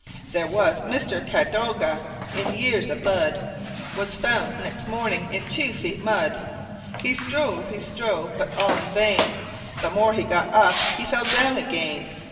There was Mister Cadoga in years a bud, Was found next morning in tew feet mud; He strove he strove but all in vain, The more he got up, he fell down again.